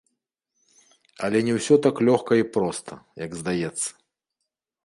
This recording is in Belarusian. Але не ўсё так лёгка і проста, як здаецца.